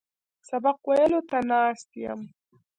سبق ویلو ته ناست یم.